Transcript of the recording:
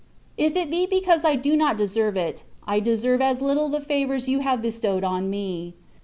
If it be because I do not deserve it, I deserve as little the favours You have bestowed on me.